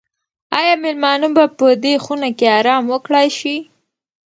آیا مېلمانه به په دې خونه کې ارام وکړای شي؟